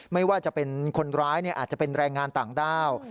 ไม่ว่าจะเป็นคนร้ายอาจจะเป็นแรงงานต่างด้าว